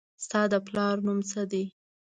ستا د پلار نوم څه دي